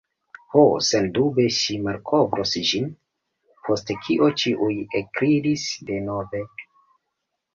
Ho, sendube ŝi malkovros ĝin. Post kio ĉiuj ekridis denove.